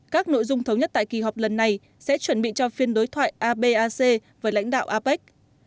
các nội dung thống nhất tại kỳ họp lần này sẽ chuẩn bị cho phiên đối thoại abac với lãnh đạo apec